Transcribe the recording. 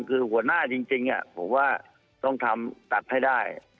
คือหัวหน้าจริงผมว่าต้องทำตัดให้ได้